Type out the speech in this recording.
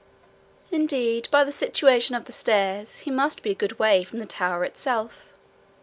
Indeed by the situation of the stairs, he must be a good way from the tower itself.